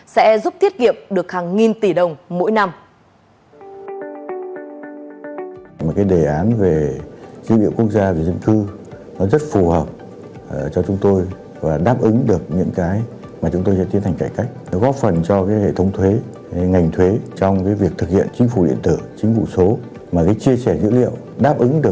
sẽ giúp thiết nghiệm được hàng nghìn tỷ đồng mỗi năm